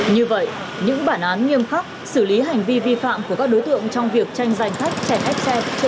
như vậy những bản án nghiêm khắc xử lý hành vi vi phạm của các đối tượng trong việc tranh giành khách chèn ép xe